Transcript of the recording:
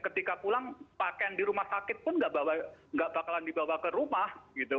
ketika pulang pakaian di rumah sakit pun nggak bakalan dibawa ke rumah